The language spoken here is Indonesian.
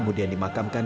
mau ada les pramuka